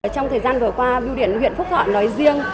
trong thời gian vừa qua biêu điện huyện phúc thọ nói riêng